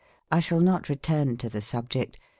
I shall not return to the subject.